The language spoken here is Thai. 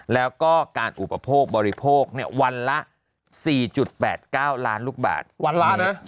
แล้วก็การอุปโภคบริโภควันละ๔๘๙ล้านลูกบาทวันล้านนะ